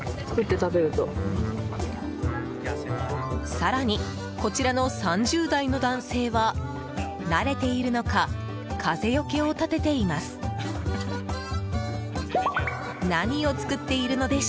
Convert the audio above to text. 更に、こちらの３０代の男性は慣れているのか風よけを立てています。